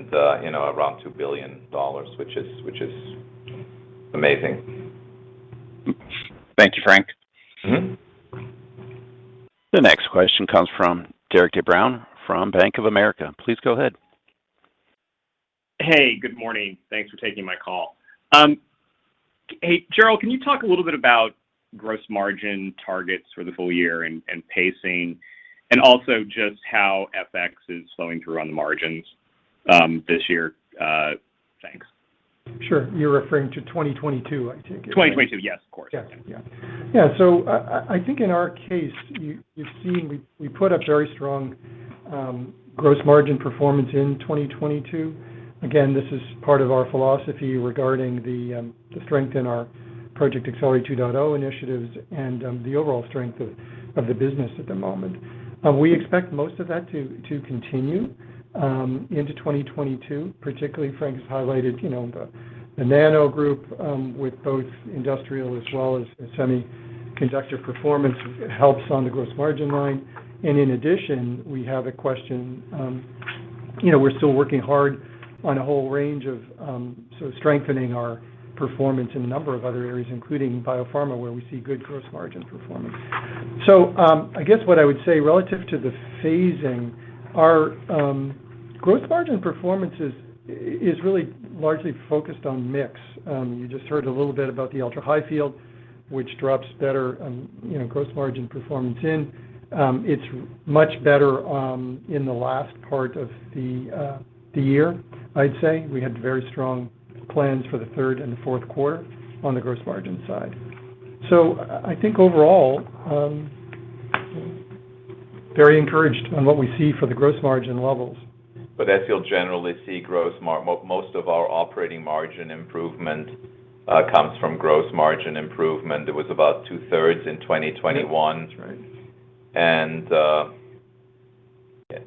you know, around $2 billion, which is amazing.
Thank you, Frank.
Mm-hmm.
The next question comes from Derik de Bruin from Bank of America. Please go ahead.
Hey, good morning. Thanks for taking my call. Hey, Gerald, can you talk a little bit about gross margin targets for the full year and pacing, and also just how FX is flowing through on the margins this year? Thanks.
Sure. You're referring to 2022, I take it, right?
2022. Yes, of course.
Yeah. I think in our case, you've seen, we put up very strong gross margin performance in 2022. Again, this is part of our philosophy regarding the strength in our Project Accelerate 2.0 initiatives and the overall strength of the business at the moment. We expect most of that to continue into 2023. Particularly, Frank has highlighted, you know, the Nano group with both industrial as well as semiconductor performance helps on the gross margin line. In addition, we have a focus, you know, we're still working hard on a whole range of sort of strengthening our performance in a number of other areas, including biopharma, where we see good gross margin performance. I guess what I would say relative to the phasing, our gross margin performance is really largely focused on mix. You just heard a little bit about the ultra-high field, which drops better, you know, gross margin performance in. It's much better in the last part of the year, I'd say. We had very strong plans for the third and fourth quarter on the gross margin side. I think overall, very encouraged on what we see for the gross margin levels.
As you'll generally see, most of our operating margin improvement comes from gross margin improvement. It was about 2/3 in 2021.
Yes. Right.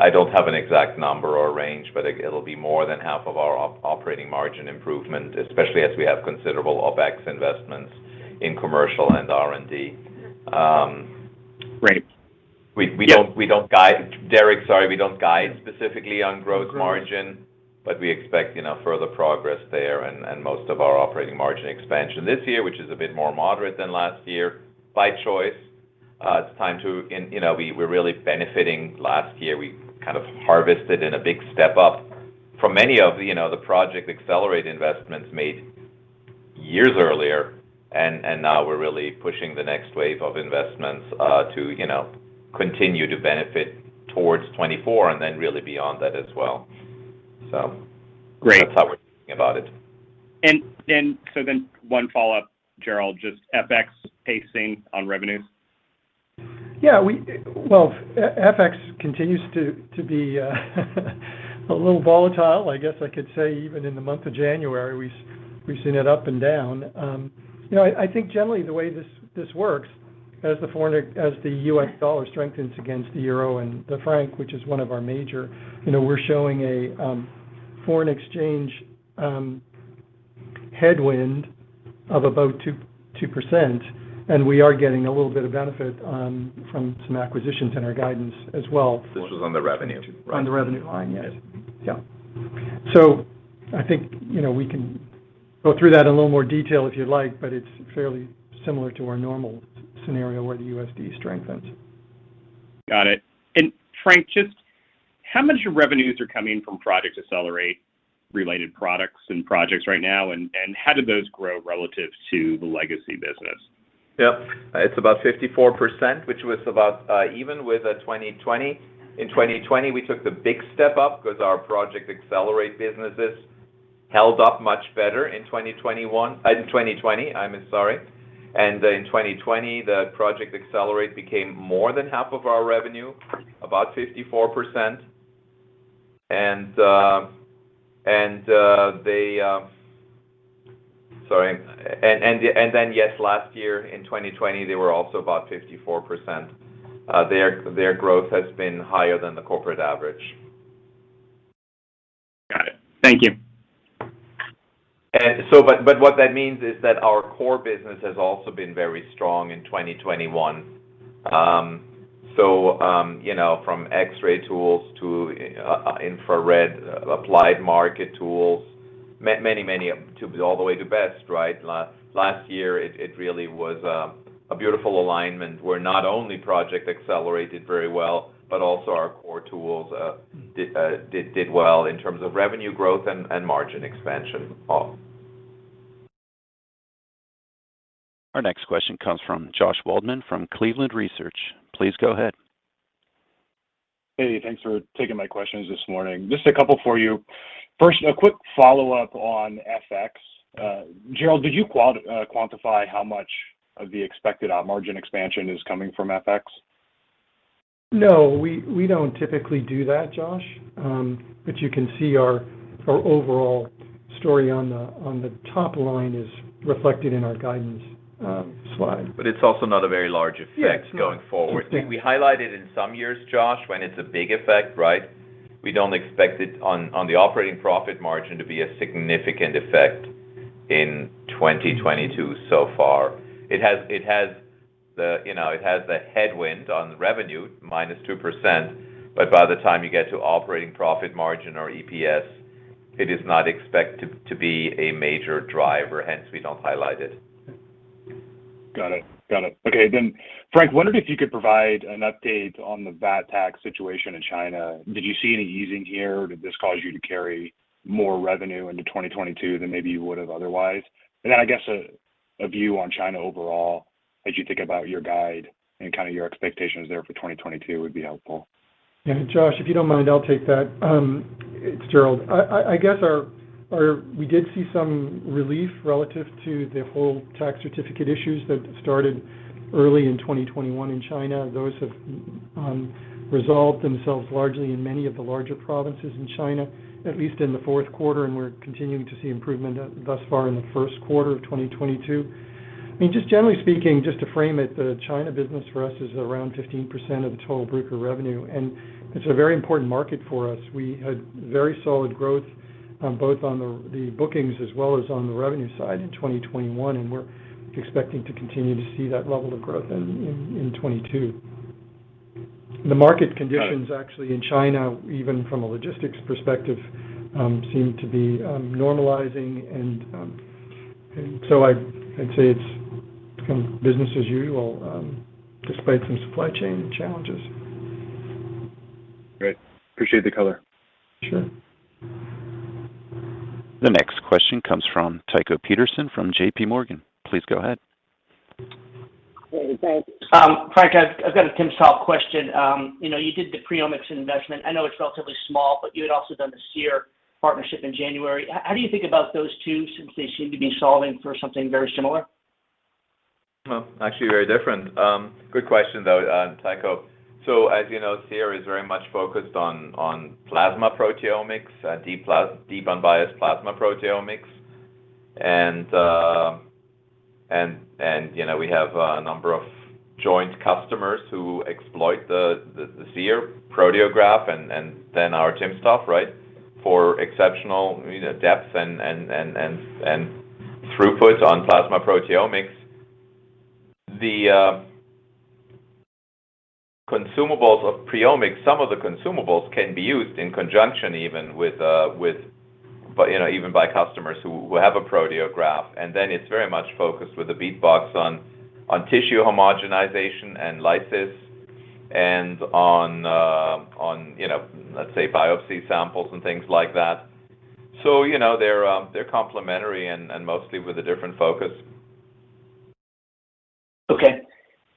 I don't have an exact number or range, but it'll be more than half of our operating margin improvement, especially as we have considerable OpEx investments in commercial and R&D.
Right. Yeah.
Derik, sorry, we don't guide specifically on gross margin.
Gross margin.
We expect, you know, further progress there and most of our operating margin expansion this year, which is a bit more moderate than last year by choice. You know, we're really benefiting. Last year, we kind of harvested in a big step up from many of the, you know, the Project Accelerate investments made years earlier. Now we're really pushing the next wave of investments to, you know, continue to benefit towards 2024 and then really beyond that as well.
Great.
That's how we're thinking about it.
One follow-up, Gerald, just FX pacing on revenues.
Well, FX continues to be a little volatile. I guess I could say even in the month of January, we've seen it up and down. You know, I think generally the way this works as the foreign—as the U.S. dollar strengthens against the euro and the franc, which is one of our major, you know, we're showing a foreign exchange headwind of about 2%, and we are getting a little bit of benefit from some acquisitions in our guidance as well.
This was on the revenue.
On the revenue line, yes.
Yes.
Yeah. I think, you know, we can go through that in a little more detail if you'd like, but it's fairly similar to our normal scenario where the USD strengthens.
Got it. Frank, just how much of revenues are coming from Project Accelerate related products and projects right now, and how did those grow relative to the legacy business?
Yep. It's about 54%, which was about even with 2020. In 2020 we took the big step up 'cause our Project Accelerate businesses held up much better in 2020. In 2020, the Project Accelerate became more than half of our revenue, about 54%. Last year in 2020, they were also about 54%. Their growth has been higher than the corporate average.
Got it. Thank you.
What that means is that our core business has also been very strong in 2021. You know, from X-ray tools to infrared applied market tools, many tools all the way to BEST, right? Last year, it really was a beautiful alignment where not only Project Accelerate did very well, but also our core tools did well in terms of revenue growth and margin expansion all.
Our next question comes from Josh Waldman from Cleveland Research. Please go ahead.
Hey, thanks for taking my questions this morning. Just a couple for you. First, a quick follow-up on FX. Gerald, did you quantify how much of the expected margin expansion is coming from FX?
No. We don't typically do that, Josh. You can see our overall story on the top line is reflected in our guidance slide.
It's also not a very large effect.
Yeah, it's not.
Going forward. We highlight it in some years, Josh, when it's a big effect, right? We don't expect it on the operating profit margin to be a significant effect in 2022 so far. It has, you know, the headwind on the revenue -2%, but by the time you get to operating profit margin or EPS, it is not expected to be a major driver, hence we don't highlight it.
Got it. Okay, then, Frank, I wondered if you could provide an update on the VAT tax situation in China. Did you see any easing here? Did this cause you to carry more revenue into 2022 than maybe you would've otherwise? Then I guess a view on China overall as you think about your guide and kind of your expectations there for 2022 would be helpful.
Yeah. Josh, if you don't mind, I'll take that. It's Gerald. I guess we did see some relief relative to the whole tax certificate issues that started early in 2021 in China. Those have resolved themselves largely in many of the larger provinces in China, at least in the fourth quarter, and we're continuing to see improvement thus far in the first quarter of 2022. I mean, just generally speaking, just to frame it, the China business for us is around 15% of the total Bruker revenue, and it's a very important market for us. We had very solid growth, both on the bookings as well as on the revenue side in 2021, and we're expecting to continue to see that level of growth in 2022. The market conditions actually in China, even from a logistics perspective, seem to be, and so I'd say it's become business as usual, despite some supply chain challenges.
Great. Appreciate the color.
Sure.
The next question comes from Tycho Peterson from JP Morgan. Please go ahead.
Hey, thanks. Frank, I've got a timsTOF question. You know, you did the PreOmics investment. I know it's relatively small, but you had also done the Seer partnership in January. How do you think about those two, since they seem to be solving for something very similar?
Well, actually very different. Good question though, Tycho. As you know, SEER is very much focused on plasma proteomics, deep unbiased plasma proteomics. You know, we have a number of joint customers who exploit the SEER Proteograph and then our timsTOF, right? For exceptional, you know, depth and throughput on plasma proteomics. The consumables of PreOmics, some of the consumables can be used in conjunction even with. But, you know, even by customers who have a Proteograph, and then it's very much focused with the BeatBox on tissue homogenization and lysis and on, you know, let's say biopsy samples and things like that. You know, they're complementary and mostly with a different focus.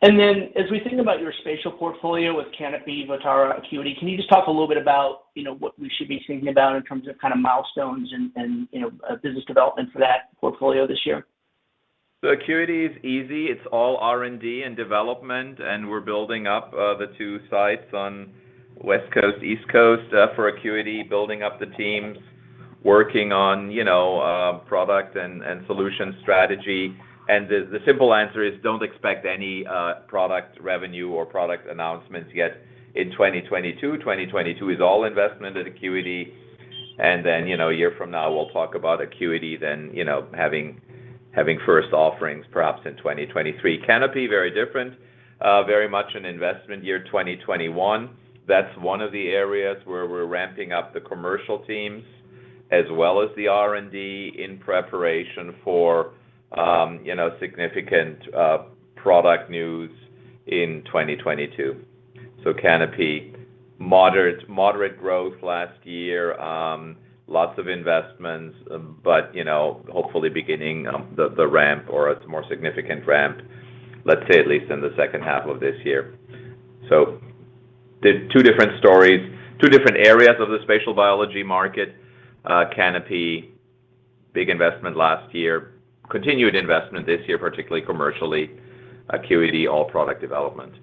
Okay. As we think about your spatial portfolio with Canopy, Vutara, Acuity, can you just talk a little bit about, you know, what we should be thinking about in terms of kind of milestones and, you know, business development for that portfolio this year?
Acuity is easy. It's all R&D and development, and we're building up the two sites on West Coast, East Coast for Acuity, building up the teams, working on product and solution strategy. The simple answer is don't expect any product revenue or product announcements yet in 2022. 2022 is all investment at Acuity. Then a year from now, we'll talk about Acuity then having first offerings perhaps in 2023. Canopy, very different. Very much an investment year, 2021. That's one of the areas where we're ramping up the commercial teams as well as the R&D in preparation for significant product news in 2022. Canopy, moderate growth last year. Lots of investments, but, you know, hopefully beginning the ramp or a more significant ramp, let's say at least in the second half of this year. The two different stories, two different areas of the spatial biology market. Canopy, big investment last year. Continued investment this year, particularly commercially. Acuity, all product development.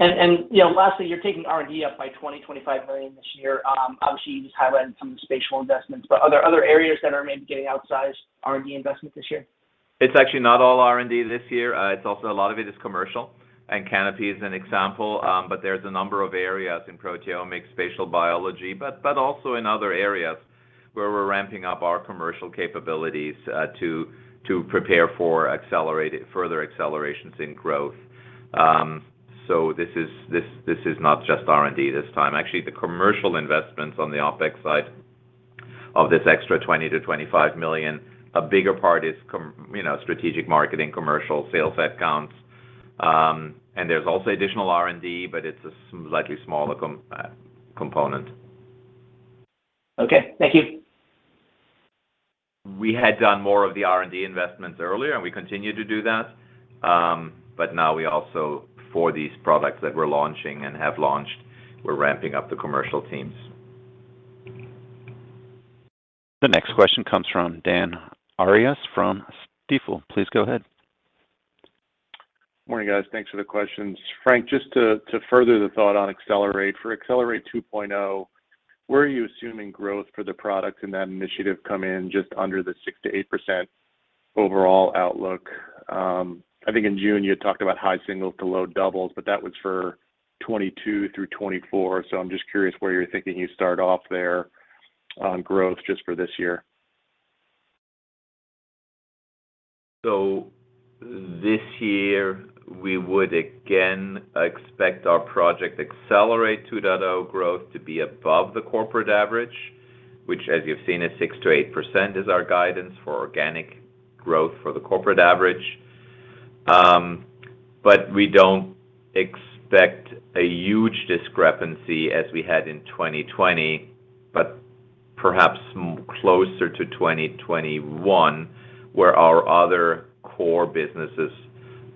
you know, lastly, you're taking R&D up by $20 million-$25 million this year. Obviously you just highlighted some spatial investments, but are there other areas that are maybe getting outsized R&D investment this year?
It's actually not all R&D this year. It's also a lot of it is commercial, and Canopy is an example. There's a number of areas in proteomics, spatial biology, but also in other areas where we're ramping up our commercial capabilities, to prepare for further accelerations in growth. This is not just R&D this time. Actually, the commercial investments on the OpEx side of this extra $20 million-$25 million, a bigger part is, you know, strategic marketing, commercial, sales headcounts. There's also additional R&D, but it's a slightly smaller component.
Okay, thank you.
We had done more of the R&D investments earlier, and we continue to do that. But now we also, for these products that we're launching and have launched, we're ramping up the commercial teams.
The next question comes from Dan Arias from Stifel. Please go ahead.
Morning, guys. Thanks for the questions. Frank, just to further the thought on Accelerate. For Accelerate 2.0, where are you assuming growth for the products in that initiative come in just under the 6%-8% overall outlook? I think in June, you had talked about high singles to low doubles, but that was for '22 through '24. I'm just curious where you're thinking you start off there on growth just for this year.
This year, we would again expect our Project Accelerate 2.0 growth to be above the corporate average, which, as you've seen, is 6%-8% is our guidance for organic growth for the corporate average. But we don't expect a huge discrepancy as we had in 2020, but perhaps closer to 2021, where our other core businesses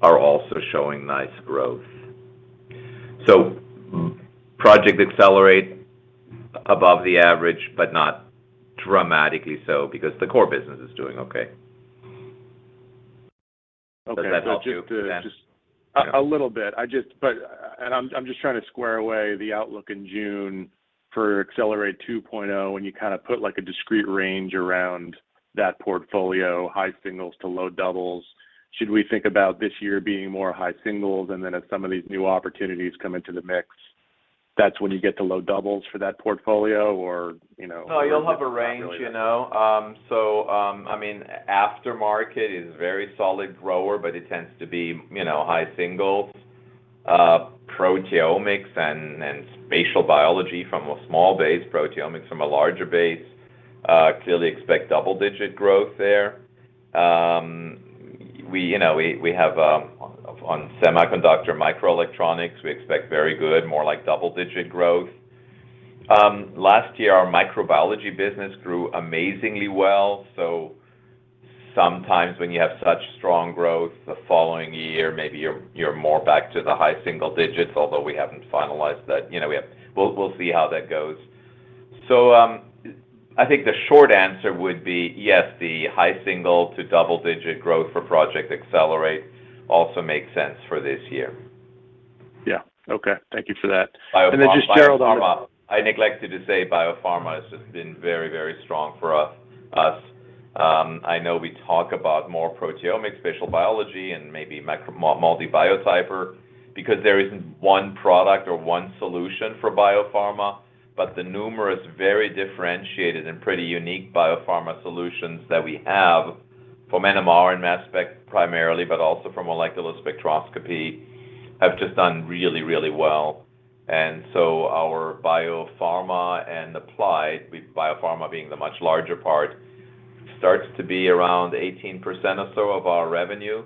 are also showing nice growth. Project Accelerate above the average, but not dramatically so because the core business is doing okay.
Okay.
Does that help you, Dan?
Just a little bit. I'm just trying to square away the outlook in June for Accelerate 2.0, when you kind of put like a discrete range around that portfolio, high singles to low doubles. Should we think about this year being more high singles and then if some of these new opportunities come into the mix, that's when you get to low doubles for that portfolio? Or, you know?
No, you'll have a range, you know. I mean, aftermarket is a very solid grower, but it tends to be, you know, high singles. Proteomics and spatial biology from a small base, proteomics from a larger base, we clearly expect double-digit growth there. On semiconductor microelectronics, we expect very good, more like double-digit growth. Last year, our microbiology business grew amazingly well, so sometimes when you have such strong growth the following year, maybe you're more back to the high single digits, although we haven't finalized that. You know, we'll see how that goes. I think the short answer would be yes, the high single to double-digit growth for Project Accelerate also makes sense for this year.
Yeah. Okay. Thank you for that.
Biopharma-
Just Gerald on the
I neglected to say biopharma has just been very, very strong for us. I know we talk about more proteomics, spatial biology, and maybe microbiology, multi-omics because there isn't one product or one solution for biopharma, but the numerous very differentiated and pretty unique biopharma solutions that we have from NMR and mass spec primarily, but also from molecular spectroscopy, have just done really, really well. Our biopharma and applied, with biopharma being the much larger part, starts to be around 18% or so of our revenue,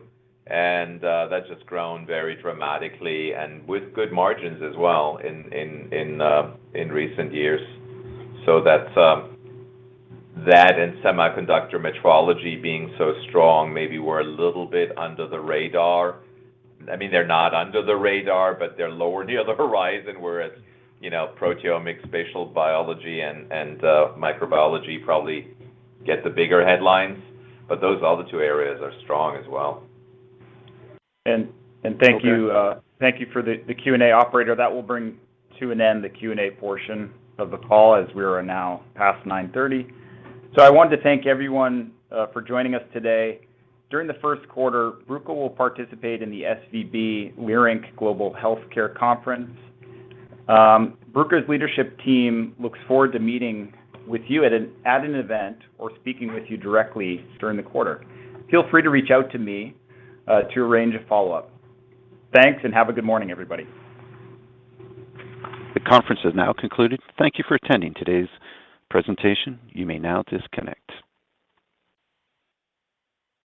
and that's just grown very dramatically and with good margins as well in recent years. That's that and semiconductor metrology being so strong, maybe we're a little bit under the radar. I mean, they're not under the radar, but they're lower near the horizon, whereas, you know, proteomics, spatial biology, and microbiology probably get the bigger headlines. Those other two areas are strong as well.
Thank you for the Q&A operator. That will bring to an end the Q&A portion of the call as we are now past 9:30 A.M. I wanted to thank everyone for joining us today. During the first quarter, Bruker will participate in the SVB Leerink Global Healthcare Conference. Bruker's leadership team looks forward to meeting with you at an event or speaking with you directly during the quarter. Feel free to reach out to me to arrange a follow-up. Thanks, have a good morning, everybody.
The conference has now concluded. Thank you for attending today's presentation. You may now disconnect.